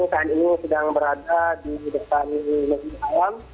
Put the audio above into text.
saat ini sedang berada di depan mekah arab